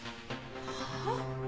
はあ？